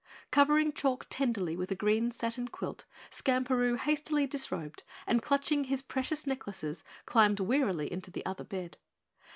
Covering Chalk tenderly with a green satin quilt, Skamperoo hastily disrobed, and clutching his precious necklaces, climbed wearily into the other bed.